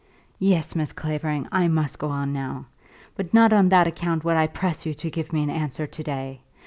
"Yes, Miss Clavering, I must go on now; but not on that account would I press you to give me an answer to day.